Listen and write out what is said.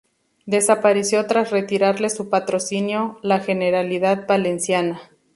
Desapareció tras retirarle su patrocinio la Generalidad Valenciana.